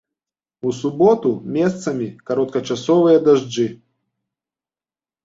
У суботу месцамі кароткачасовыя дажджы.